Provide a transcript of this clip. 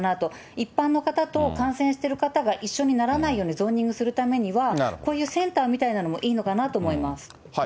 一般の方と感染している方が一緒にならないようにゾーニングするためには、こういうセンターみたいなのもいいのかなと思います。